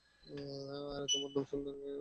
আরে, তোমার নাম সুলতান কে রেখেছে?